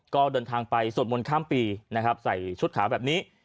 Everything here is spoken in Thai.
ก็เดินทางไปสวดมนต์ข้ามปีนะครับใส่ชุดขาวแบบนี้